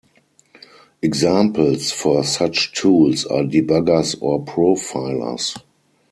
Examples for such tools are debuggers or profilers.